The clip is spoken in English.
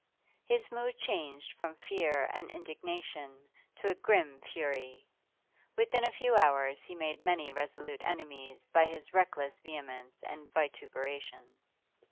His mood changed from fear and indignation to a grim fury; within a few hours he made many resolute enemies by his reckless vehemence and vituperation.